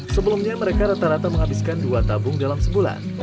sebelumnya mereka rata rata menghabiskan dua tabung dalam sebulan